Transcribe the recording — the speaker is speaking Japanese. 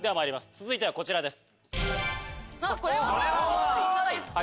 続いてはこちらです。